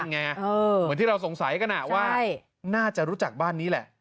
เหมือนที่เราสงสัยกันว่าน่าจะรู้จักบ้านนี้แหละ